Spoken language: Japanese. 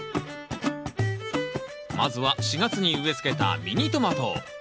まずは４月に植えつけたミニトマト。